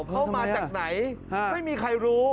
เข้ามาจากไหนไม่มีใครรู้